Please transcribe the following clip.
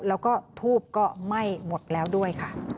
แล้วก็ทูบก็ไหม้หมดแล้วด้วยค่ะ